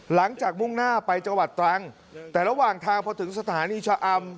มุ่งหน้าไปจังหวัดตรังแต่ระหว่างทางพอถึงสถานีชะอำ